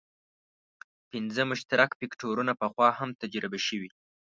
پنځه مشترک فکټورونه پخوا هم تجربه شوي.